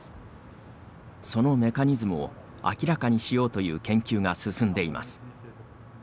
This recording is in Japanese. そのメカニズムを明らかにしようという研究が進んでいます。